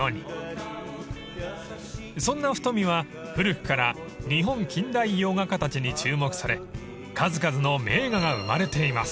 ［そんな太海は古くから日本近代洋画家たちに注目され数々の名画が生まれています］